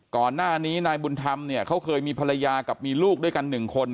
ก่อนหน้านี้นายบุญธรรมเนี่ยเขาเคยมีภรรยากับมีลูกด้วยกันหนึ่งคน